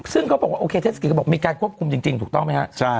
ซึ่งเขาบอกว่าโอเคเทศกิจก็บอกมีการควบคุมจริงถูกต้องไหมครับ